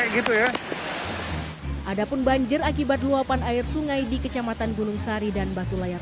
gitu ya ada pun banjir akibat luapan air sungai di kecamatan gunung sari dan batu layar